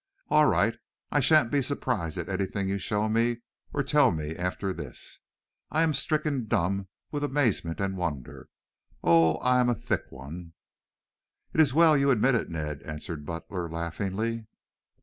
"All right. I shan't be surprised at anything you show me or tell me after this. I am stricken dumb with amazement and wonder. Oh, I am a thick one." "It's well you admit it, Ned," answered Butler laughingly.